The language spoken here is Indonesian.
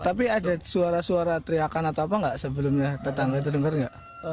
tapi ada suara suara teriakan atau apa gak sebelumnya tetangga itu denger gak